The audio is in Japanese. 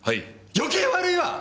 余計悪いわ！